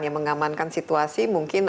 ya mengamankan situasi mungkin